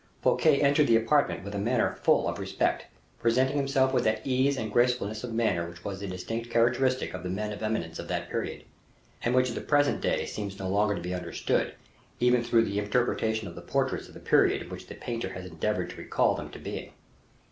Fouquet entered the apartment with a manner full of respect, presenting himself with that ease and gracefulness of manner which was the distinctive characteristic of the men of eminence of that period, and which at the present day seems no longer to be understood, even through the interpretation of the portraits of the period, in which the painter has endeavored to recall them to being.